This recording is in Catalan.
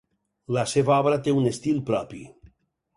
La seva obra té un estil propi.